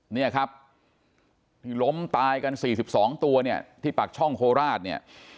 เนี่ยครับที่ล้มตายกัน๔๒ตัวเนี่ยที่ปากช่องโคราชเนี่ย